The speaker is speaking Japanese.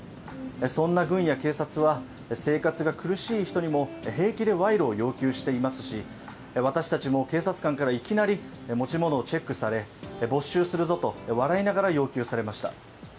そんな軍や警察は生活が苦しい人にも平気で賄賂を要求していますし私たちも警察官からいきなり、持ち物をチェックされ、没収するぞと笑いながら要求されました。